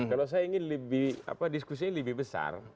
kalau saya ingin diskusinya lebih besar